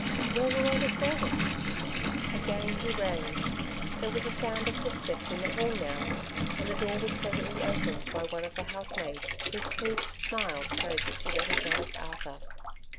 Where were all the servants ? Again he rang. There was a sound of footsteps in the hall now, and the door was presently opened by one of the housemaids, whose pleased smile showed that she recognized Arthur.